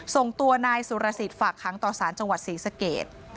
ส่งตัวนายสุรสิทธิ์ฝากค้างต่อสารจังหวัดศรีสเกต